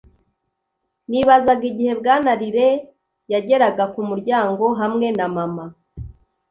Nibazaga igihe Bwana Riley yageraga kumuryango hamwe na Mama